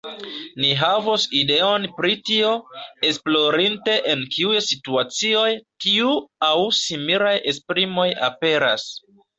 Ni havos ideon pri tio, esplorinte en kiuj situacioj tiu aŭ similaj esprimoj aperas.